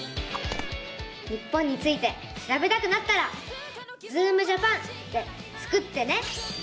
日本についてしらべたくなったら「ズームジャパン」でスクってね！